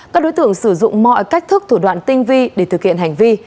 các đối tượng sử dụng mọi cách thức thủ đoạn tinh vi để thực hiện hành vi